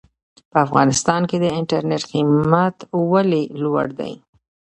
په افغانستان کې د انټرنېټ قيمت ولې لوړ دی ؟